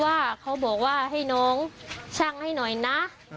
ว่าเขาบอกว่าให้น้องช่างให้หน่อยนะ